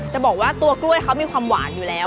จะบอกว่าตัวกล้วยเขามีความหวานอยู่แล้ว